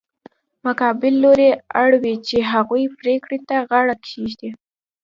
مقابل لوری اړ وي چې هغې پرېکړې ته غاړه کېږدي.